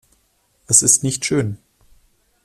Es ist nicht schön.